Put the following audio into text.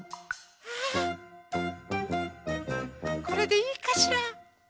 これでいいかしら？